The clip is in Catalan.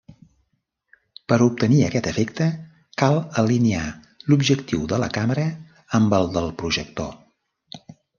Per obtenir aquest efecte, cal alinear l'objectiu de la càmera amb el del projector.